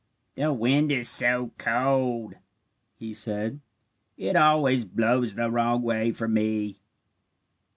"The wind is so cold," he said. "It always blows the wrong way for me."